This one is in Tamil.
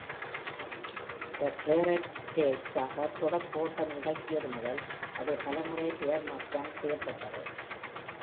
The Claret Stakes ஆக தொடக்க ஓட்டம் நிகழ்த்தியது முதல் அது பல முறை பெயர்மற்றம் செய்யப்பட்டது.